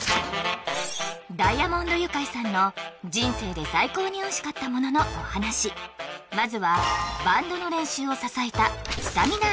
ダイアモンド☆ユカイさんの人生で最高においしかったもののお話まずはこれはね